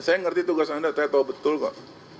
saya ngerti tugas anda saya tahu betul kok